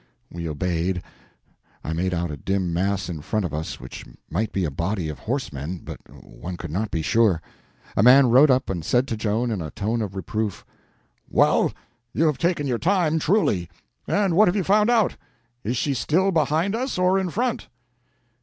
We obeyed. I made out a dim mass in front of us which might be a body of horsemen, but one could not be sure. A man rode up and said to Joan in a tone of reproof: "Well, you have taken your time, truly. And what have you found out? Is she still behind us, or in front?"